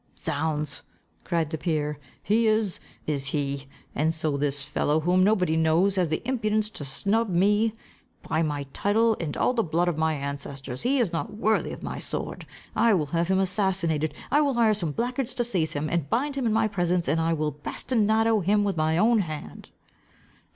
"Zounds!" cried the peer, "he is, is he? And so this fellow, whom nobody knows, has the impudence to snub me! By my title, and all the blood of my ancestors, he is not worthy of my sword. I will have him assassinated. I will hire some blackguards to seize him, and bind him in my presence, and I will bastinado him with my own hand.